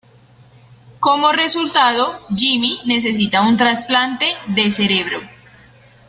Como resultado, Jimmy necesita un trasplante de cerebro.